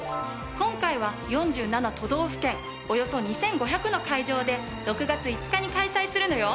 今回は４７都道府県およそ２５００の会場で６月５日に開催するのよ。